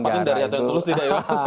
tidak tepatnya dari hati yang tulus tidak ya